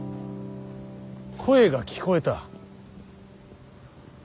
声が聞こえた。